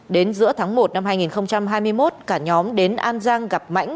đến giữa tháng một năm hai nghìn hai mươi một cả nhóm đến an giang gặp mãnh